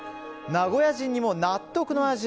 名古屋人にも納得の味。